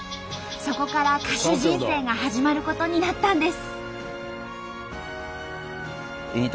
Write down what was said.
そこから歌手人生が始まることになったんです。